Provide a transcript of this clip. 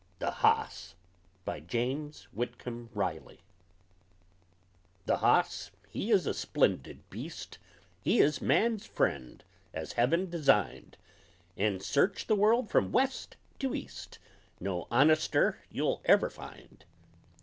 THE HOSS BY JAMES WHITCOMB RILEY The hoss he is a splendud beast; He is man's friend, as heaven desined, And, search the world from west to east, No honester you'll ever find!